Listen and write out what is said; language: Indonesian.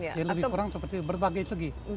jadi lebih kurang seperti berbagai segi